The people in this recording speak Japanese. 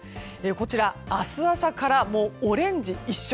こちら明日朝からオレンジ１色。